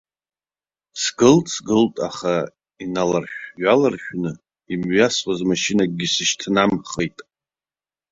Сгылт, сгылт, аха иналаршә-ҩаларшәны имҩасуаз машьынакгьы сышьҭнамхит.